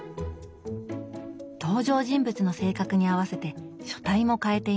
登場人物の性格に合わせて書体も変えています。